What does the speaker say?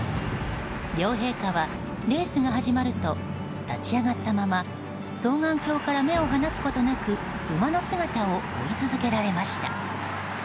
両陛下は、レースが始まると立ち上がったまま双眼鏡から目を離すことなく馬の姿を追い続けられました。